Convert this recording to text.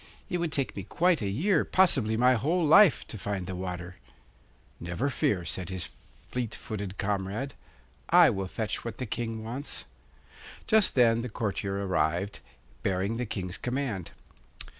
It would take me quite a year, possibly my whole life, to find the water.' 'Never fear,' said his fleet footed comrade, 'I will fetch what the King wants.' Just then the courtier arrived, bearing the King's command.